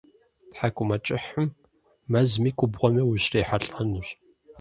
Тхьэкӏумэкӏыхьым мэзми губгъуэми ущрихьэлӏэнущ.